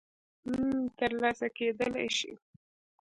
م ترلاسه کېدلای شي